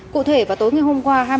cụ thể vào tối hôm qua